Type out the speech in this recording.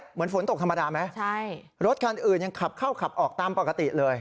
เหมือนฝนตกธรรมดาไหมใช่รถคันอื่นยังขับเข้าขับออกตามปกติเลย